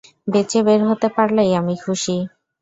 বেঁচে বের হতে পারলেই আমি খুশি।